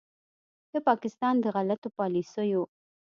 د پاکستان د غلطو پالیسیو